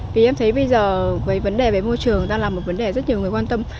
vì em thấy bây giờ với vấn đề về môi trường đang là một vấn đề rất nhiều người quan tâm